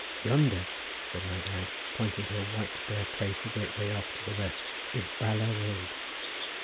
"Yonder," said my guide, pointing to a white bare place a great way off to the west, "is Bala road."